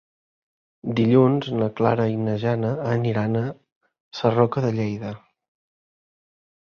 Dilluns na Clara i na Jana aniran a Sarroca de Lleida.